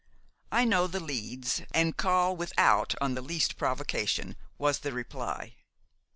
"I know the leads, and call 'without' on the least provocation," was the reply.